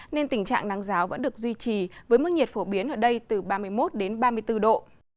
nên tình trạng nắng giáo vẫn được duy trì với mức nhiệt phổ biến ở đây từ ba mươi một đến ba mươi bốn độ